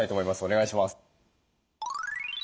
お願いします。